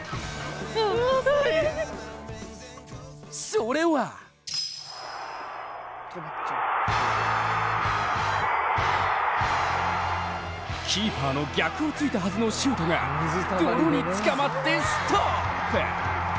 それはキーパーの逆を突いたはずのシュートが泥につかまってストップ。